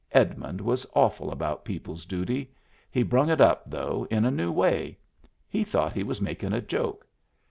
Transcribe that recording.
Edmund was awful about people's duty. He brung it up, though, in a new way. He thought he was makin' a joke.